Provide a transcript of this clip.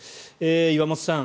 岩本さん